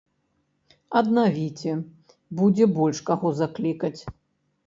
Аднавіце, будзе больш каго заклікаць!